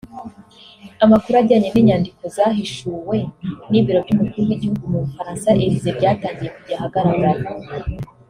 Amakuru ajyanye n’inyandiko zahishuwe n’ibiro by’umukuru w’igihugu mu Bufaransa (Elysée) byatangiye kujya ahagaragara